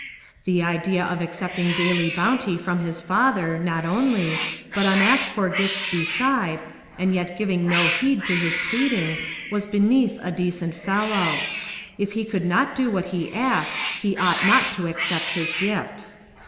The idea of accepting daily bounty from his father, not only, but unasked for gifts beside, and yet giving no heed to his pleading, was beneath a decent fellow; if he could not do what he asked, he ought not to accept his gifts.